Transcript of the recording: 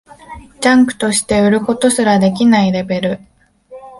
ジャンクとして売ることすらできないレベル